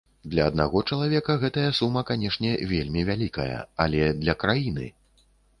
Для аднаго чалавека гэтая сума, канешне, вельмі вялікая, але для краіны?